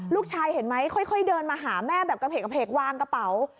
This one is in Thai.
ลูกชายเห็นไหมค่อยเดินมาหาแม่แบบกระเพกวางกระเป๋า